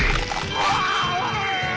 うわ！